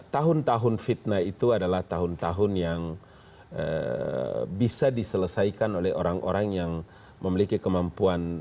tahun tahun fitnah itu adalah tahun tahun yang bisa diselesaikan oleh orang orang yang memiliki kemampuan